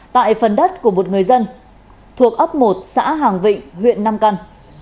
tại phần đất của một người dân thuộc ấp một xã hàng vịnh huyện nam căn